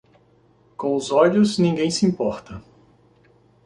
Com os olhos, ninguém se importa.